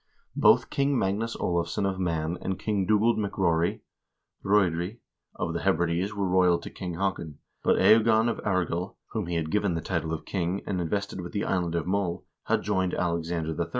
Both King Magnus Olavsson of Man and King Dugald Mac Rory (Ruaidhri) of the Hebrides were loyal to King Haakon, but Eogan of Argyll,1 whom he had given the title of king, and invested with the island of Mull, had joined Alexander III.